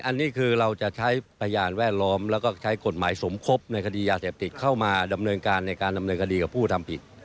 อันนี้คือเราจะใช้พยานแวดล้อมแล้วก็ใช้กฎหมายสมคบในคดียาเสพติดเข้ามาดำเนินการในการดำเนินคดีกับผู้ทำผิด